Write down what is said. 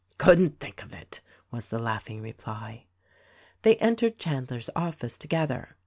"Couldn't think of it!" was the laughing reply. They entered Chandler's office together.